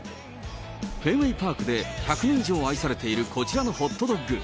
フェンウェイ・パークで１００年以上愛されているこちらのホットドッグ。